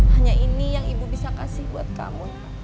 hanya ini yang ibu bisa kasih buat kamu